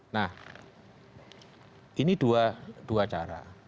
nah ini dua cara